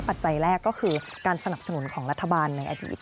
ปัจจัยแรกก็คือการสนับสนุนของรัฐบาลในอดีต